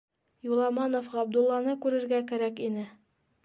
Юламанов Ғабдулланы күрергә кәрәк ине.